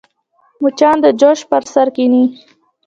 مچان د جوس پر سر کښېني